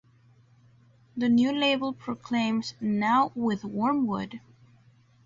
The new label proclaims, "Now With Wormwood!".